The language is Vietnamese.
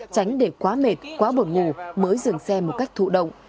tránh để quá mệt quá bột ngủ mới dừng xe một cách thụ động